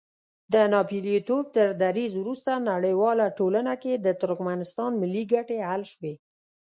د ناپېیلتوب تر دریځ وروسته نړیواله ټولنه کې د ترکمنستان ملي ګټې حل شوې.